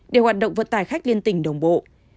để hoạt động vận tải khách liên tình đồng bộ